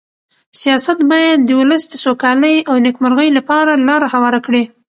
سیاست باید د ولس د سوکالۍ او نېکمرغۍ لپاره لاره هواره کړي.